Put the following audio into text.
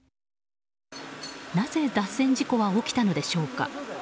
なぜ脱線事故は起きたのでしょうか。